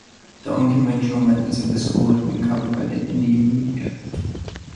The unconventional methods of the school have been covered by the Indian media.